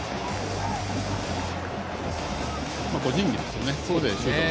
個人技ですよね。